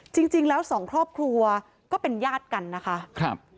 จริงแล้ว๒ครอบครัวก็เป็นญาติกันนะคะ